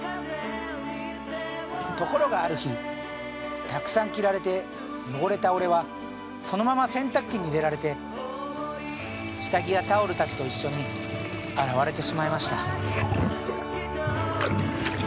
ところがある日たくさん着られて汚れた俺はそのまま洗濯機に入れられて下着やタオルたちと一緒に洗われてしまいました」。